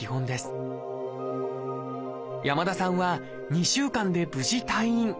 山田さんは２週間で無事退院。